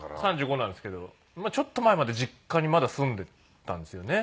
今３５なんですけどちょっと前まで実家にまだ住んでたんですよね。